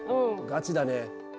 ガチだね。